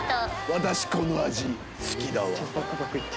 「私この味好きだわ」。